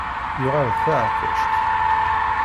Yuɣal d taɛeqquct.